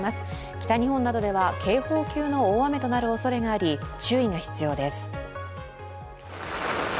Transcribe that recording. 北日本では警報級の大雨となるおそれがあり注意が必要です。